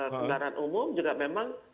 negara umum juga memang